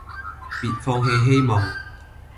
別放棄希望